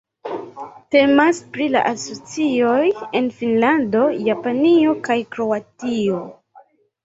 Temas pri la asocioj en Finnlando, Japanio kaj Kroatio.